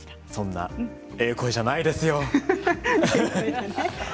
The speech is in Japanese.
そんなええ声じゃないですよ。